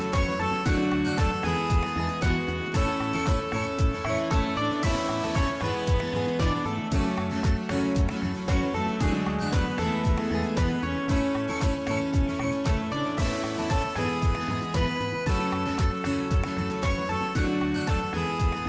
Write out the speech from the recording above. โปรดติดตามตอนต่อไป